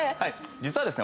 実はですね